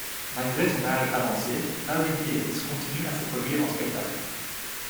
Malgré son âge avancé, Irving Fields continue à se produire en spectacle.